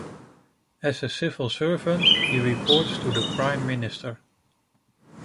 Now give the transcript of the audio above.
As a civil servant, he reports to the Prime Minister.